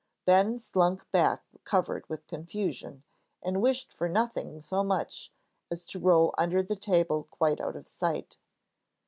Ben slunk back covered with confusion, and wished for nothing quite so much as to roll under the table quite out of sight.